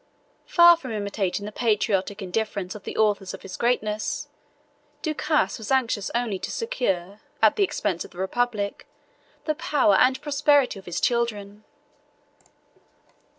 Far from imitating the patriotic indifference of the authors of his greatness, Ducas was anxious only to secure, at the expense of the republic, the power and prosperity of his children.